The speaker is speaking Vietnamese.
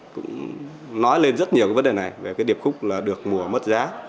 cũng nói lên rất nhiều vấn đề này về cái điệp khúc được mùa mất giá